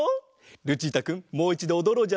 ルチータくんもういちどおどろうじゃないか。